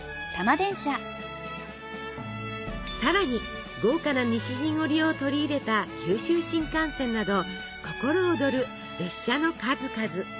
さらに豪華な西陣織を取り入れた九州新幹線など心躍る列車の数々。